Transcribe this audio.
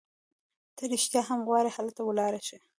ته رېښتیا هم غواړي هلته ولاړه شې؟